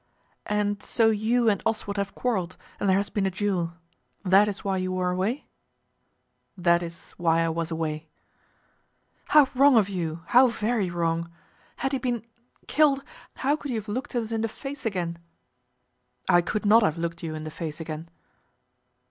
"And so you and Oswald have quarrelled, and there has been a duel. That is why you were away?" "That is why I was away." "How wrong of you, how very wrong! Had he been, killed, how could you have looked us in the face again?" "I could not have looked you in the face again."